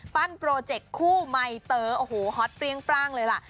ปั้นโปรเจคน์กับคู่ใหม่เต๋อโอ้โหฮอทเปรี้ยงปลั่งเลยล่ะ